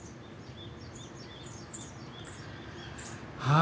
あ。